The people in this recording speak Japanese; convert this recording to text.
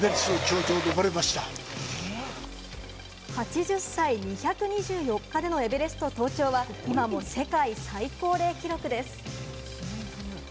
８０歳２２４日でのエベレスト登頂は今も世界最高齢記録です。